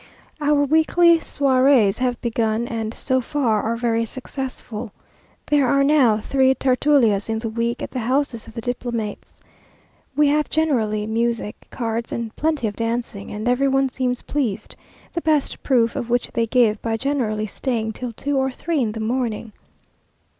Our weekly soirées have begun, and, so far, are very successful. There are now three tertulias in the week at the houses of the diplomates. We have generally music, cards, and plenty of dancing, and every one seems pleased, the best proof of which they give by generally staying till two or three in the morning.